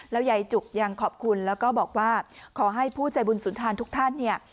ยายจุกยังขอบคุณแล้วก็บอกว่าขอให้ผู้ใจบุญสุนทานทุกท่านเนี่ย